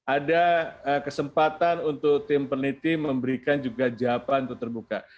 ada kesempatan untuk tim peneliti memberikan juga jawaban untuk terbuka